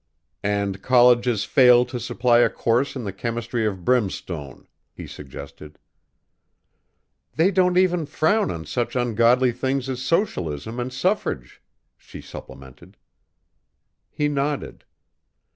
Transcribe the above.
"And colleges fail to supply a course in the Chemistry of Brimstone," he suggested. "They don't even frown on such ungodly things as socialism and suffrage," she supplemented. He nodded.